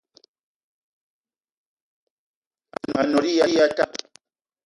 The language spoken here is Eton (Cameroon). A-ne mot ya talla